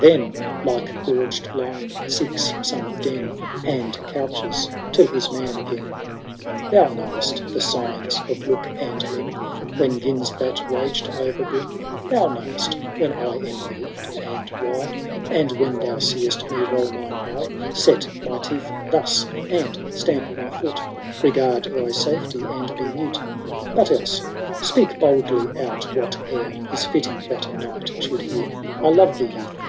Then, like gorged lion, seeks some en. And couches till he\i man agen.— 152 HABOLD THB DAUNTLISS. QuOo III, Thou know'M the ogns of look and Umb, When *gin8 that lage to OTerbrun— Thou know*Bt when I am moved, and whj ; And when thou seest me roll mine eye, Set my teeth thus, and stamp my foot, B^gaid thy safety and be mute ; But else speak boldly out whatever Is fitting that a knight should hear. I lore thee, youth.